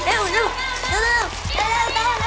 เสียบไปก่อน